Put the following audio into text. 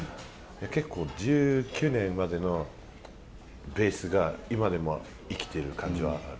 結構、１９年までのベースが今でも生きてる感じはある。